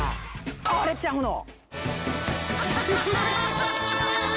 あれちゃうの？